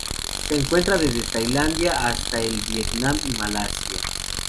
Se encuentra desde Tailandia hasta el Vietnam y Malasia.